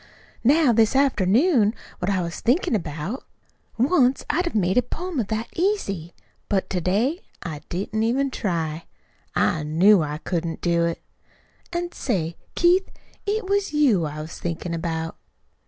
"Now, this afternoon, what I was thinkin' about once I'd've made a poem of that easy; but to day I didn't even try. I KNEW I couldn't do it. An', say, Keith, it was you I was thinkin' about."